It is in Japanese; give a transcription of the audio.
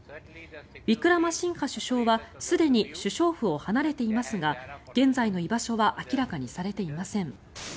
ウィクラマシンハ首相はすでに首相府を離れていますが現在の居場所は明らかにされていません。